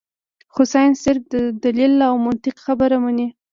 خو سائنس صرف د دليل او منطق خبره مني -